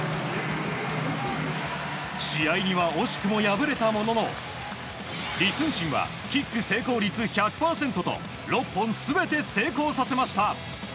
試合には惜しくも敗れたもののリ・スンシンはキック成功率１００％と６本全て成功させました。